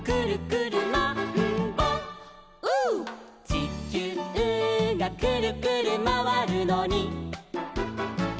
「ちきゅうがくるくるまわるのに」